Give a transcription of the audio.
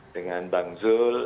dengan bang zul